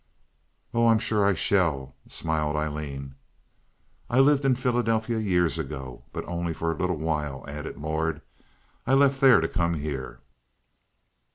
"Oh, I'm sure I shall," smiled Aileen. "I lived in Philadelphia years ago, but only for a little while," added Lord. "I left there to come here."